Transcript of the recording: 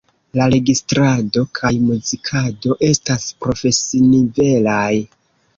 La registrado kaj muzikado estas profesinivelaj.